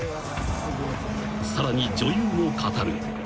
［さらに女優も語る］